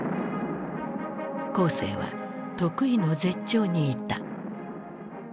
江青は得意の絶頂にいた。